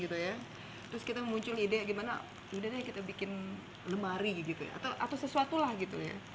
terus kita muncul ide bagaimana kita bikin lemari atau sesuatu lah gitu ya